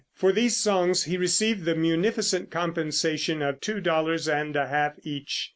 For these songs he received the munificent compensation of two dollars and a half each.